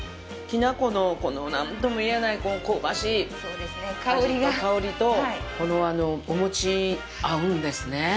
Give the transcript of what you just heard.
きな粉のこの何とも言えない香ばしい香りと、このお餅、合うんですねぇ。